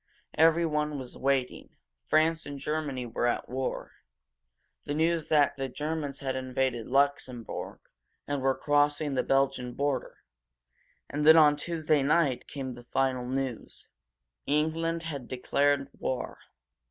Everyone was waiting. France and Germany were at war; the news came that the Germans had invaded Luxembourg, and were crossing the Belgian border. And then, on Tuesday night, came the final news. England had declared war.